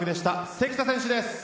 関田選手です。